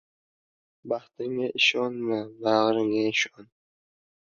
Baxtingga ishonma, barmog'ingga ishon.